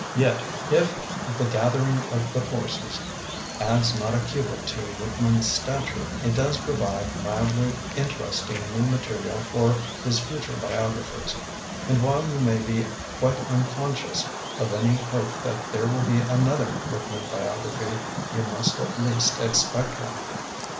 Yet if "The Gathering of the Forces" adds not a cubit to Whitman's stature, it does provide mildly inter esting new material for his future bi ographers; and while you may be quite unconscious of any hope that there will be another Whitman biog raphy, you must at least expect one.